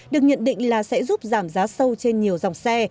được nhận định là sẽ giúp giảm giá sâu trên nhiều dòng xe